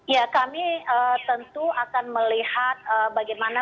ya kami tentu akan melihat bagaimana